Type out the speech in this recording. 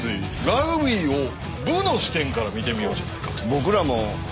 ラグビーを武の視点から見てみようじゃないかと。